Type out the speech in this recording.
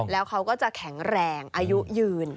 แล้วเขาก็จะแข็งแรงอายุยืน